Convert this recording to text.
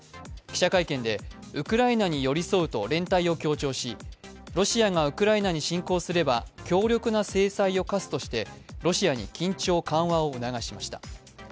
記者会見でウクライナに寄り添うと連帯を強調し、ロシアがウクライナに侵攻すれば強力な制裁を科すとして、ロシアに緊張緩和を促しました。